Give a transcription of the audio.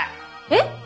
えっ？